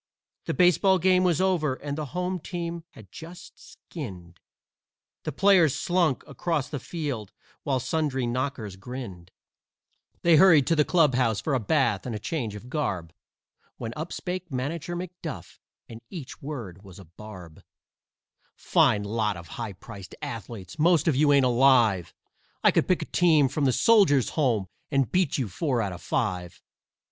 The baseball game was over and the home team had been skinned, The players slunk across the field while sundry knockers grinned; They hurried to the clubhouse for a bath and change of garb, When up spake Manager McDuff, and each word was a barb: "Fine lot of high priced athletes! Most of you ain't alive! I could pick a team from the Soldiers' Home And beat you four out of five.